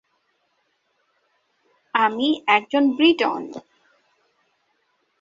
আমি একজন ব্রিটন।